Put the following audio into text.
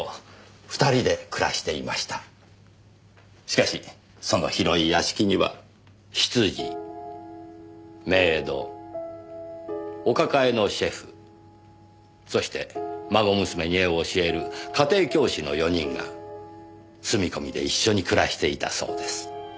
しかしその広い屋敷には執事メイドお抱えのシェフそして孫娘に絵を教える家庭教師の４人が住み込みで一緒に暮らしていたそうです。